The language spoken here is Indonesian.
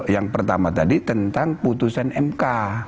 yang pertama tadi tentang putusan mk